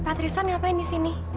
pak tristan ngapain di sini